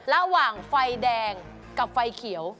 ระหว่างไฟแดงกับไฟเขียว